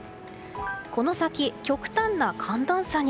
この先、極端な寒暖差に。